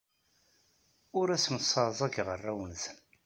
Ur asen-sseɛẓageɣ arraw-nsen.